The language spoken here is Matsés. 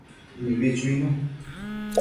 Mibi chuinu